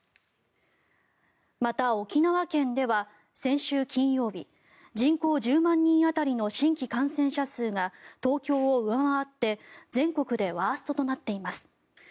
また沖縄県では先週金曜日人口１０万人当たりの新規感染者数が東京を上回って全国でワーストとなっています。